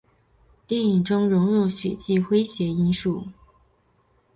电影中融入喜剧诙谐因素。